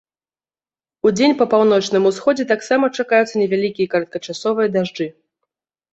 Удзень па паўночным усходзе таксама чакаюцца невялікія кароткачасовыя дажджы.